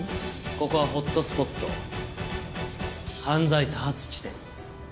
ここはホットスポット犯罪多発地点。